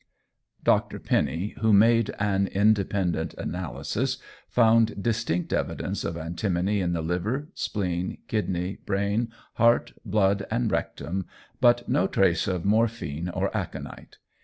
Dr. Penny, who made an independent analysis, found distinct evidence of antimony in the liver, spleen, kidney, brain, heart, blood, and rectum, but no trace of morphine or aconite.